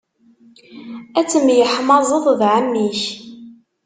Ad temyeḥmaẓeḍ d ɛemmi-k.